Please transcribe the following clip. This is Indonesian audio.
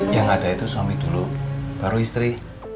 yang ada itu suami dulu baru istri